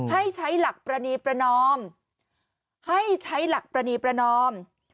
ให้ใช้หลักประณีประนอม